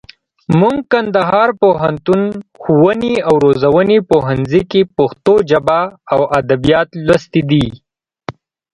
موږ کندهار پوهنتون، ښووني او روزني پوهنځي کښي پښتو ژبه او اودبيات لوستي دي.